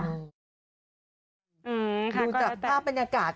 ดูจากภาพบรรยากาศ